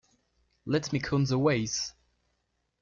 Let me count the ways.